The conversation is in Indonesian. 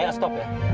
ayah stop ya